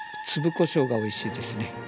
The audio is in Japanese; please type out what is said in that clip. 粒こしょうがおいしいですね。